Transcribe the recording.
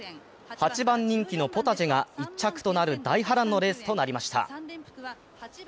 ８番人気のポタジェが１着となる大波乱のレースとなりました。